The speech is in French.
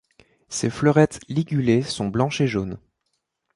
Ses fleurettes ligulées sont blanches et jaunes.